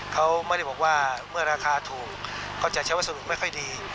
เขาไม่ได้บอกว่าเมื่อราคาถูกก็จะใช้วัสดุไม่ค่อยดี